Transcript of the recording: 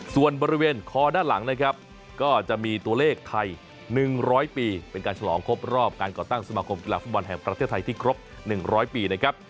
ส่วนบริเวณคอด้านหลังนะครับก็จะมีตัวเลขไทย๑๐๐ปีเป็นการฉลองครบรอบการก่อตั้งสมาคมกีฬาฟุตบอลแห่งประเทศไทยที่ครบ๑๐๐ปีนะครับ